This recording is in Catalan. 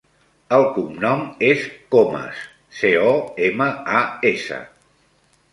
El cognom és Comas: ce, o, ema, a, essa.